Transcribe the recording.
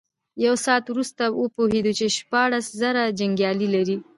يو ساعت وروسته وپوهېد چې شپاړس زره جنيګالي لري.